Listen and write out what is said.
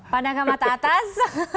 pandangkan mata atas